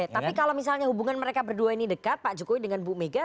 tapi kalau misalnya hubungan mereka berdua ini dekat pak jokowi dengan bu mega